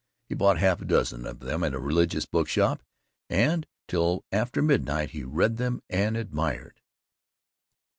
He bought half a dozen of them at a religious book shop and till after midnight he read them and admired.